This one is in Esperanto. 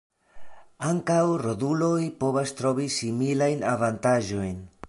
Ankaŭ roduloj povas trovi similajn avantaĝojn.